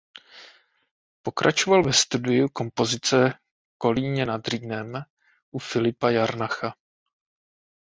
Pokračoval ve studiu kompozice Kolíně nad Rýnem u Filipa Jarnacha.